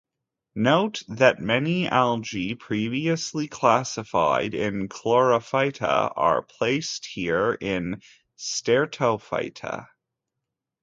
Note that many algae previously classified in Chlorophyta are placed here in Streptophyta.